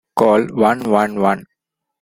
Call one one one.